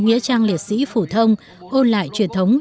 nghĩa trang liệt sĩ phủ thông ôn lại truyền thống